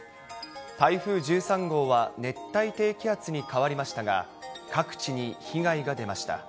台風１３号は熱帯低気圧に変わりましたが、各地に被害が出ました。